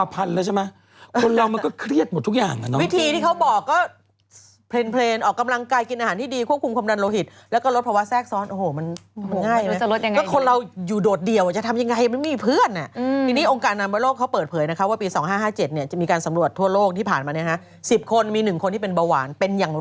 เป็นต้นเหตุของไตเตยทุกอย่างมันมาจากภาวะหมดแล้วจริงฝากกันไปโรคอื่นไหร่อีกเพียบเลย